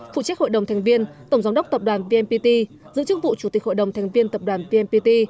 phụ trách hội đồng thành viên tổng giám đốc tập đoàn vnpt giữ chức vụ chủ tịch hội đồng thành viên tập đoàn vnpt